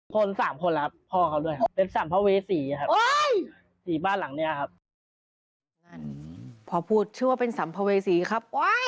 พอพูดชื่อว่าเป็นศามภเวศรีครับ